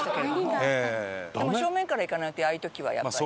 でも正面からいかないとああいう時はやっぱり。